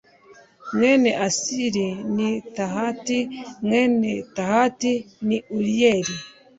mwene asiri ni tahati mwene tahati ni uriyeli